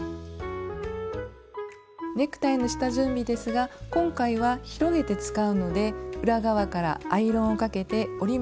ネクタイの下準備ですが今回は広げて使うので裏側からアイロンをかけて折り目を伸ばします。